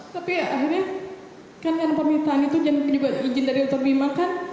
tapi akhirnya kan permintaan itu jangan beri izin dari otor bimang kan